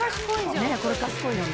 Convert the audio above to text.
ねえこれ賢いよね。